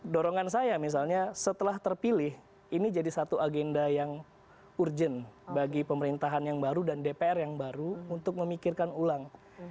dorongan saya misalnya setelah terpilih ini jadi satu agenda yang urgent bagi pemerintahan yang baru dan dpr yang baru untuk memikirkan ulang